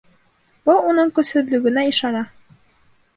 Был уның көсһөҙлөгөнә ишара.